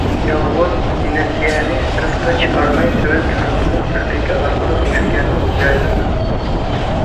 يالغۇز ئېنېرگىيەنى سىرتقا چىقارماي، تۆۋەن كاربونلۇق تېخنىكا ئارقىلىق ئېنېرگىيەنىڭ ئۆز جايىدا ئايلاندۇرىدۇ.